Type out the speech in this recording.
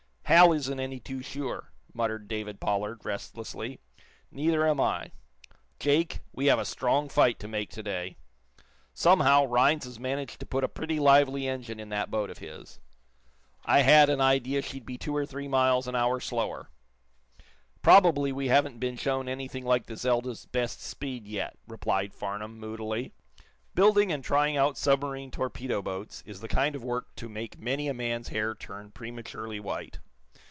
"Hal isn't any too sure," muttered David Pollard, restlessly. "Neither am I. Jake, we have a strong fight to make to day. Somehow, Rhinds has managed to put a pretty lively engine in that boat of his. I had an idea she'd be two or three miles an hour slower." "Probably we haven't been shown anything like the 'Zelda's' best speed, yet," replied Farnum, moodily. Building and trying out submarine torpedo boats is the kind of work to make many a man's hair turn prematurely white.